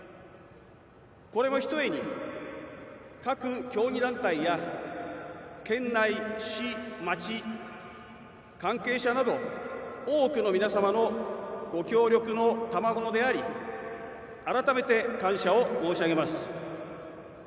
これもひとえに、各競技団体や県内、市、町、関係者など多くの皆様のご協力のたまものであり改めて感謝を申し上げます。